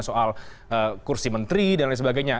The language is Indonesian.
soal kursi menteri dan lain sebagainya